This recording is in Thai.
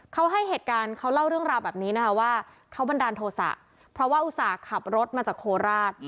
เขาให้เหตุการณ์เขาเล่าเรื่องราวแบบนี้นะคะว่าเขาบันดาลโทษะเพราะว่าอุตส่าห์ขับรถมาจากโคราช